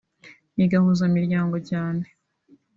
ni gahuzamiryngo cyane